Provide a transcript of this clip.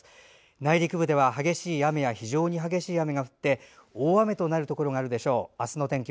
内陸部では激しい雨や非常に激しい雨が降り大雨となるところがあるでしょう。